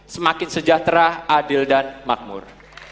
semakin sejahtera adil dan makmur